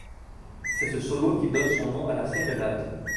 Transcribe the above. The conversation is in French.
C’est ce solo qui donne son nom à la sérénade.